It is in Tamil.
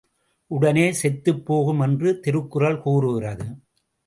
உடனே செத்துப் போகும் என்று திருக்குறள் கூறுகிறது.